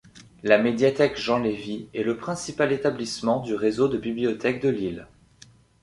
La médiathèque Jean Lévy est le principal établissement du réseau de bibliothèques de Lille.